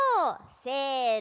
せの！